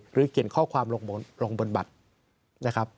เขียนข้อความลงบนบัตรนะครับ